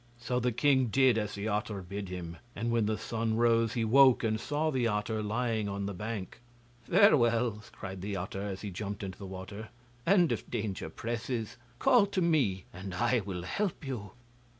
So the king did as the otter bid him, and when the sun rose he woke and saw the otter lying on the bank. 'Farewell,' cried the otter as he jumped into the water, 'and if danger presses, call to me and I will help you.